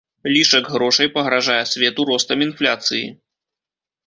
Лішак грошай пагражае свету ростам інфляцыі.